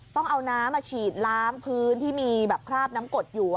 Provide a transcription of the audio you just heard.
ต้องเอาน้ำมาฉีดล้ำพื้นที่จล้กดอยู่